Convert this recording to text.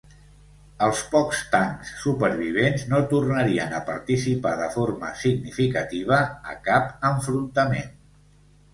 Els pocs tancs supervivents no tornarien a participar de forma significativa a cap enfrontament.